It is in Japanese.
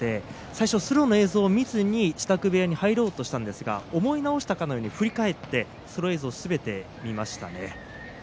最初スローの映像を見ずに支度部屋に入ろうとしたんですが思い直すように振り返ってスロー映像をすべて見ましたね。